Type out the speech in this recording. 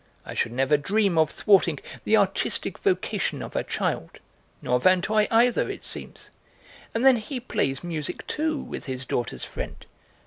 I should never dream of thwarting the artistic vocation of a child; nor Vinteuil either, it seems. And then he plays music too, with his daughter's friend.